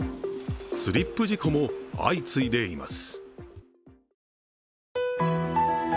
スリップ事故も相次いでいます。